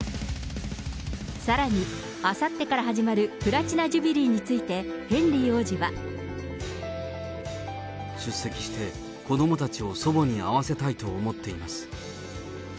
さらに、あさってから始まるプラチナジュビリーについて、ヘ出席して、子どもたちを祖母に会わせたいと思っています。